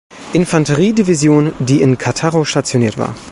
Infanteriedivision, die in Cattaro stationiert war.